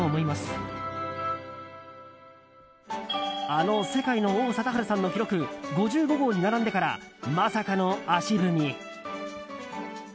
あの世界の王貞治さんの記録５５号に並んでからまさかの足踏み。